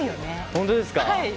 本当ですか？